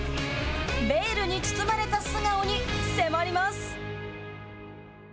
ベールに包まれた素顔に迫ります！